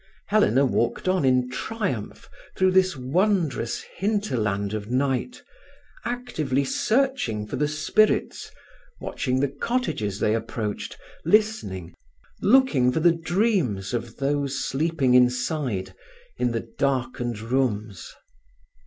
Helena walked on in triumph through this wondrous hinterland of night, actively searching for the spirits, watching the cottages they approached, listening, looking for the dreams of those sleeping inside, in the darkened rooms.